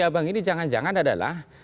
abang ini jangan jangan adalah